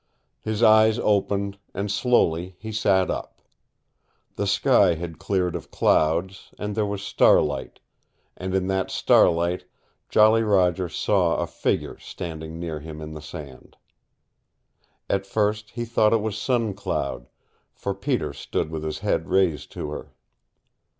His eyes opened, and slowly he sat up. The sky had cleared of clouds, and there was starlight, and in that starlight Jolly Roger saw a figure standing near him in the sand. At first he thought it was Sun Cloud, for Peter stood with his head raised to her.